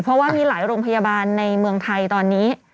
เพราะว่ามีหลายโรงพยาบาลในเมืองไทยตอนนี้